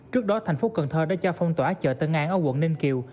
trước đó thành phố cần thơ đã cho phong tỏa chợ tân an ở quận ninh kiều